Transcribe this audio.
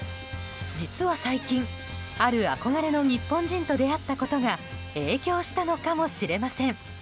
実は最近、ある憧れの日本人と出会ったことが影響したのかもしれません。